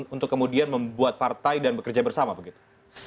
untuk kemudian membuat partai dan bekerja bersama begitu